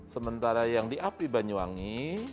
sementara yang di api banyuwangi